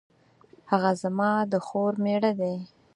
هغه زما د خور میړه دی